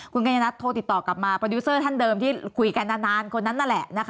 คุณกัญญนัทโทรติดต่อกลับมาโปรดิวเซอร์ท่านเดิมที่คุยกันนานคนนั้นนั่นแหละนะคะ